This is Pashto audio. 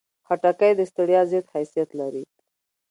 خټکی د ستړیا ضد خاصیت لري.